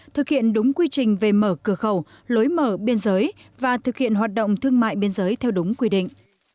thực hiện đúng quy trình về mở cửa khẩu lối mở biên giới và thực hiện hoạt động thương mại biên giới theo đúng quy định